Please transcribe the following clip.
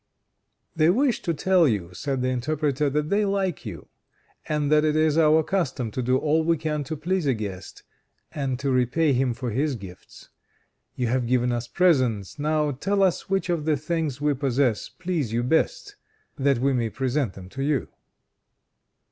"They wish to tell you," said the interpreter, "that they like you, and that it is our custom to do all we can to please a guest and to repay him for his gifts. You have given us presents, now tell us which of the things we possess please you best, that we may present them to you."